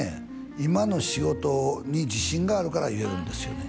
今の仕事に自信があるから言えるんですよね